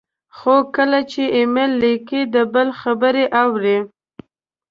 خو کله چې ایمیل لیکئ، د بل خبرې اورئ،